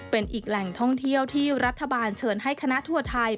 เป็นอีกแหล่งท่องเที่ยวที่รัฐบาลเชิญให้คณะทัวร์ไทย